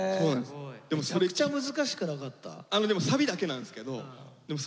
めちゃくちゃ難しくなかった？